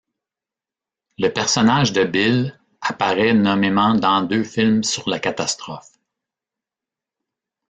Le personnage de Byles apparaît nommément dans deux films sur la catastrophe.